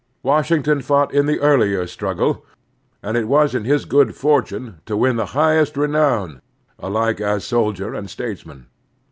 Washington fought in the earlier struggle, and it was his good f orttme to win the highest renown alike as soldier and statesman.